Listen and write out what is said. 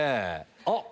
あっ